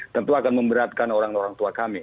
tentu akan memberatkan orang orang tua kami